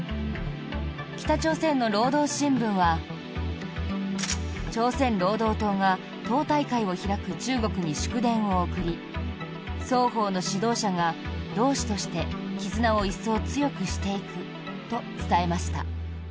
北朝鮮の労働新聞は朝鮮労働党が党大会を開く中国に祝電を送り双方の指導者が同志として絆を一層強くしていくと伝えました。